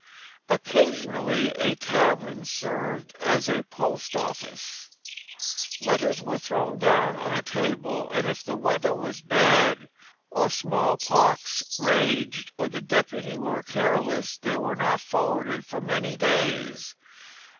Occasionally a tavern served as post office; letters were thrown down on a table and if the weather was bad, or smallpox raged, or the deputy were careless, they were not forwarded for many days.